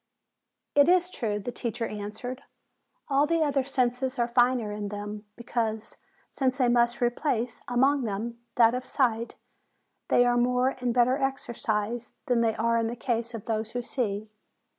"It is true," the teacher answered. "All the other senses are finer in them, because, since they must re place, among them, that of sight, they are more and better exercised than they are in the case of those who see.